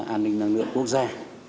an ninh năng lượng quốc gia